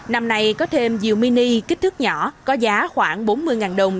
năm nay có thêm diều mini kích thước nhỏ có giá khoảng bốn mươi đồng